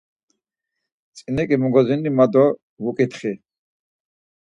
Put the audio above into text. Tzineǩi mogodzini ma do vuǩitxi.